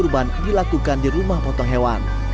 kurban dilakukan di rumah potong hewan